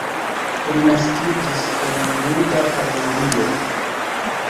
Li naskiĝis en juda familio.